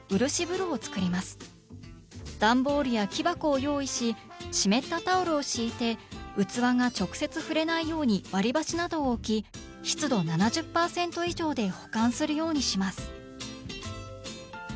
段ボールや木箱を用意し湿ったタオルを敷いて器が直接触れないように割り箸などを置き湿度７０％以上で保管するようにします。